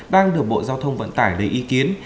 đang được bộ giao thông vận tải lấy ý kiến